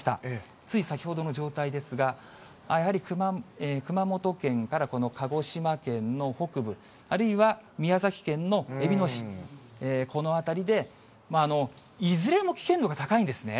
つい先ほどの状態ですが、やはり熊本県からこの鹿児島県の北部、あるいは宮崎県のえびの市、この辺りで、いずれも危険度が高いんですね。